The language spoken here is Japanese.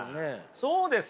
そうですよ。